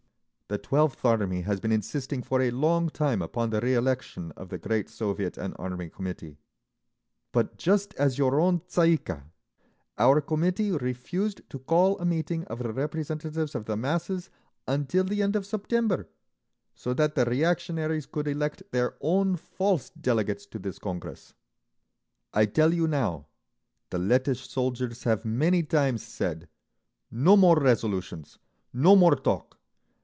"The Twelfth Army has been insisting for a long time upon the re election of the Great Soviet and the Army Committee, but just as your own Tsay ee kah, our Committee refused to call a meeting of the representatives of the masses until the end of September, so that the reactionaries could elect their own false delegates to this Congress. I tell you now, the Lettish soldiers have many times said, 'No more resolutions! No more talk!